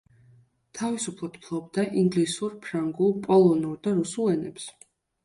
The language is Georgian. თავისუფლად ფლობდა ინგლისურ, ფრანგულ, პოლონურ და რუსულ ენებს.